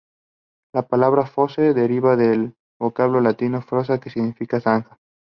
La palabra "Fosse" deriva del vocablo latino "fossa", que significa zanja.